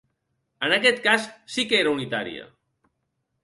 En aquest cas sí que era unitària.